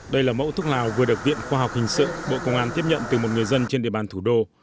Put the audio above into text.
đây là mẫu thuốc lào vừa được viện khoa học hình sự bộ công an tiếp nhận từ một người dân trên địa bàn thủ đô